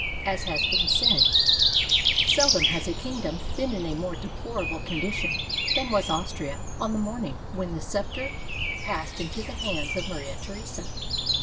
As has been said: —" Seldom has a kingdom been in a more deplorable condi tion than was Austria on the morning when the scepter passed into the hands of Maria Theresa.